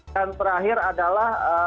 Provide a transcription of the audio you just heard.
dan terakhir adalah